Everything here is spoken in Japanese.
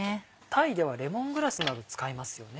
タイではレモングラスなど使いますよね。